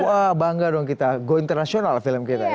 wah bangga dong kita go internasional film kita